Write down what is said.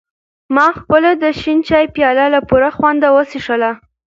ما خپله د شین چای پیاله له پوره خوند سره وڅښله.